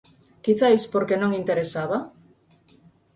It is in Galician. ¿Quizais porque non interesaba?